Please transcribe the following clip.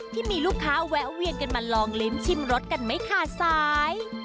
ที่มีลูกค้าแวะเวียนกันมาลองลิ้มชิมรสกันไม่ขาดสาย